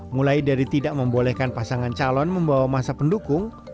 mulai dari tidak membolehkan pasangan calon membawa masa pendukung